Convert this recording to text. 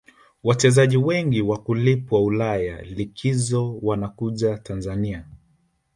wachezaji wengi wakulipwa ulaya likizo wanakuja tanzania